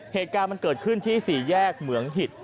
เหตุการณ์มันเกิดขึ้นที่๔แยกเหมืองหิต